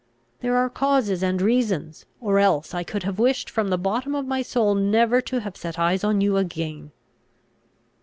There are causes and reasons, or else I could have wished from the bottom of my soul never to have set eyes on you again."